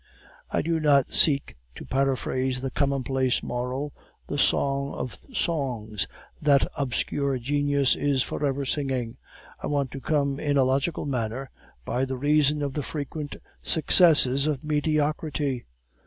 I do not seek to paraphrase the commonplace moral, the song of songs that obscure genius is for ever singing; I want to come, in a logical manner, by the reason of the frequent successes of mediocrity.